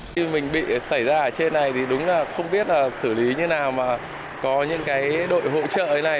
khi mình bị xảy ra ở trên này thì đúng là không biết là xử lý như nào mà có những cái đội hỗ trợ ấy này